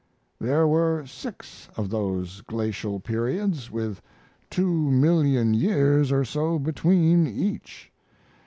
There were six of those glacial periods, with two million years or so between each.